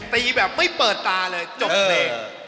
ตีแบบไม่เปิดตาเลยจบเนกสุดยอด